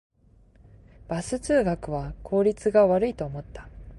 バス通学は効率が悪いと思った